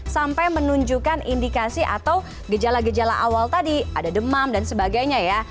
sampai menunjukkan indikasi atau gejala gejala awal tadi ada demam dan sebagainya ya